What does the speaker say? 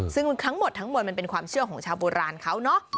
ซึ่งทั้งหมดทั้งมวลมันเป็นความเชื่อของชาวโบราณเขาเนอะ